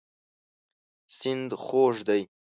سیند خوږ دی.